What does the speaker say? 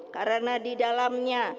karena di dalamnya